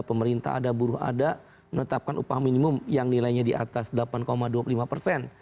pemerintah ada buruh ada menetapkan upah minimum yang nilainya di atas delapan dua puluh lima persen